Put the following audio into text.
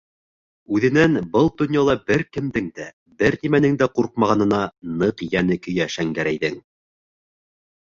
Үҙенән был донъяла бер кемдең дә, бер нимәнең дә ҡурҡмағанына ныҡ йәне көйә Шәңгәрәйҙең.